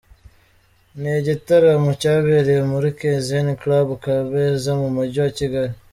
Ni igitaramo cyabereye muri Kaizen Club Kabeza, mu Mujyi wa Kigali.